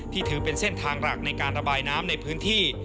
ถือเป็นเส้นทางหลักในการระบายน้ำในพื้นที่